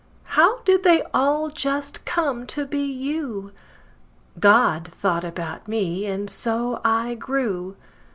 How did they all just come to be you? God thought about me, and so I grew.